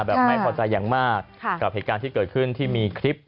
ไม่พอใจอย่างมากกับเหตุการณ์ที่เกิดขึ้นที่มีคลิป